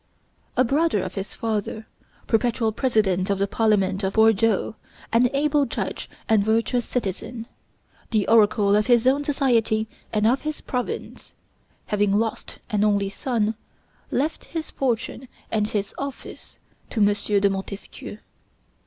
A brother of his father, perpetual president of the Parliament of Bordeaux, an able judge and virtuous citizen, the oracle of his own society and of his province, having lost an only son, left his fortune and his office to M. de Montesquieu.